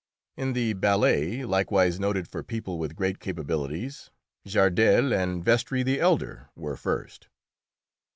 In the ballet, likewise noted for people with great capabilities, Gardel and Vestris the elder were first.